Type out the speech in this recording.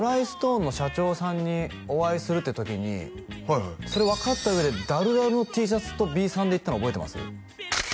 ストーンの社長さんにお会いするって時にそれ分かった上でダルダルのＴシャツとビーサンで行ったの覚えてます？